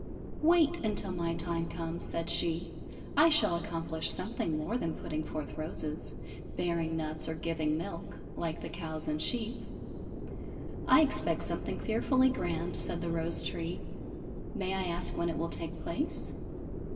"Wait, until my time comes," said she, "I shall accomplish something more than putting forth roses, bearing nuts, or giving milk, like the cows and sheep!" "I expect something fearfully grand," said the rose tree, "may I ask when it will take place?"